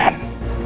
jangan lupa hendaro